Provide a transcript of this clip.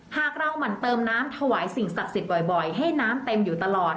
หากเราหมั่นเติมน้ำถวายสิ่งศักดิ์สิทธิ์บ่อยให้น้ำเต็มอยู่ตลอด